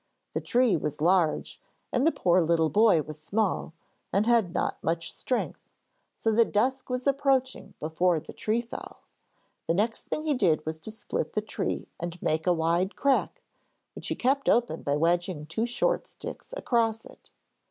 The tree was large, and the poor little boy was small, and had not much strength, so that dusk was approaching before the tree fell. The next thing he did was to split the tree and make a wide crack, which he kept open by wedging two short sticks across it.